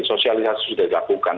sosialisasi sudah dilakukan